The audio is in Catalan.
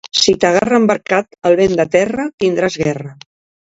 Si t'agarra embarcat el vent de terra, tindràs guerra.